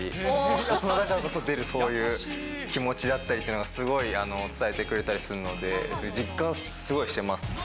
大人だからこそ出るそういう気持ちだったりっていうのをすごい伝えてくれたりするので、実感はすごいしてます。